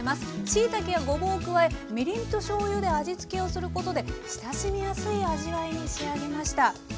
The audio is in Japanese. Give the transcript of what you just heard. しいたけやごぼうを加えみりんとしょうゆで味付けをすることで親しみやすい味わいに仕上げました。